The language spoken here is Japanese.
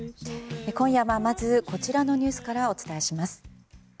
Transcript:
今夜はまずこちらのニュースからお伝えします。